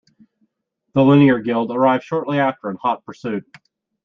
The Linear Guild arrives shortly after in hot pursuit.